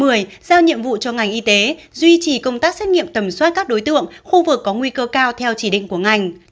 giao nhiệm vụ cho ngành y tế duy trì công tác xét nghiệm tầm soát các đối tượng khu vực có nguy cơ cao theo chỉ định của ngành